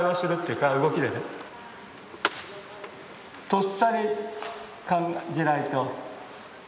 とっさに感じないと。